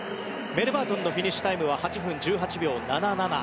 メルバートンのフィニッシュタイムは８分１８秒７７。